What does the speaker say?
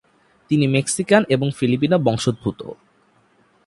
তিনি মেক্সিকান এবং ফিলিপিনো বংশোদ্ভূত।